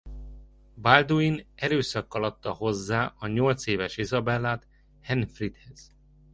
Balduin erőszakkal adta hozzá a nyolcéves Izabellát Henfridhez.